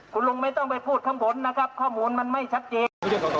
คุณลุงไม่ต้องไปพูดข้างบนนะครับข้อมูลมันไม่ชัดเจน